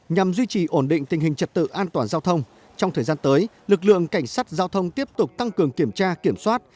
nhằm duy trì ổn định tình hình trật tự an toàn giao thông trong thời gian tới lực lượng cảnh sát giao thông tiếp tục tăng cường kiểm tra kiểm soát